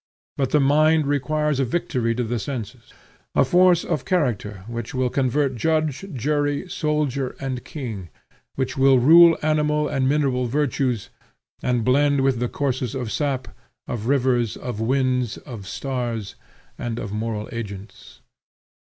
But the mind requires a victory to the senses; a force of character which will convert judge, jury, soldier, and king; which will rule animal and mineral virtues, and blend with the courses of sap, of rivers, of winds, of stars, and of moral agents.